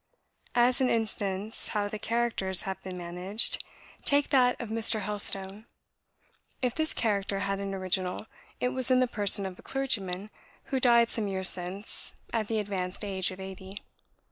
"As an instance how the characters have been managed, take that of Mr. Helstone. If this character had an original, it was in the person of a clergyman who died some years since at the advanced age of eighty.